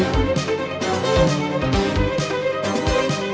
gì phí tiền đắt